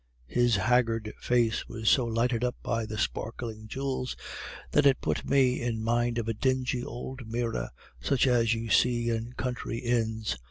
"His haggard face was so lighted up by the sparkling jewels, that it put me in mind of a dingy old mirror, such as you see in country inns.